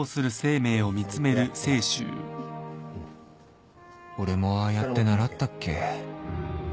俺もああやって習ったっけ